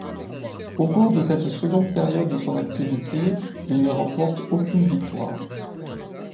Au cours de cette seconde période de son activité, il ne remporte aucune victoire.